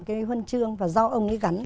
cái huân chương và do ông ấy gắn